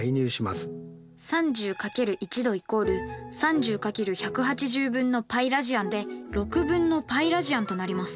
３０×１°＝３０×１８０分のπラジアンで６分のπラジアンとなります。